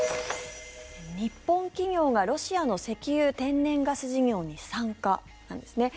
日本企業がロシアの石油・天然ガス事業に参加です。